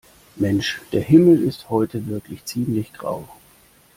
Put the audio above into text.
Mensch, der Himmel ist heute wirklich ziemlich grau.